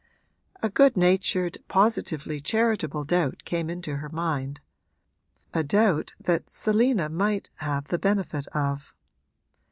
A good natured, positively charitable doubt came into her mind a doubt that Selina might have the benefit of.